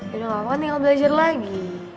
yaudah ngapain tinggal belajar lagi